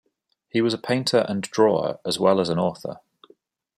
He was a painter and drawer as well as an author.